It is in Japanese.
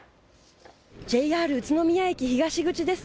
ＪＲ宇都宮駅東口です。